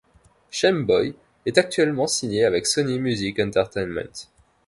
Shameboy est actuellement signé avec Sony Music Entertainment.